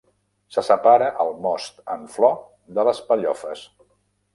Se separa el most en flor de les pellofes.